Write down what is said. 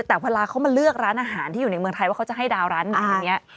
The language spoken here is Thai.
แต่เวลาเขามาเลือกร้านอาหารที่อยู่ในเมืองไทยว่าเขาจะให้ดาวร้านนี้